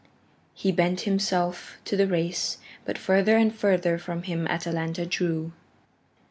He bent himself to the race, but further and further from him Atalanta drew.